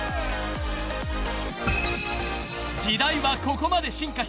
［時代はここまで進化した］